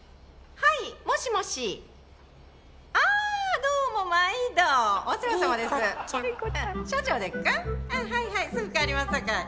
はいはいすぐ代わりますさかい。